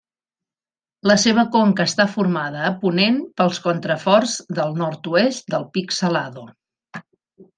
La seva conca està formada a ponent pels contraforts del nord-oest del Pic Salado.